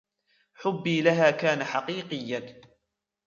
حبي لها كان حقيقياً.